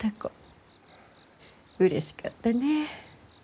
うれしかったねぇ。